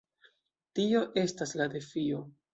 Tio estas la defio!